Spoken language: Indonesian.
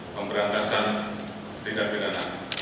pemberantasan tidak binatang